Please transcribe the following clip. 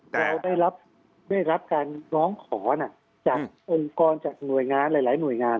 เราได้รับการร้องขอจากองค์กรจากหน่วยงานหลายหน่วยงาน